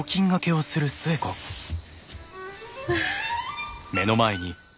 はあ。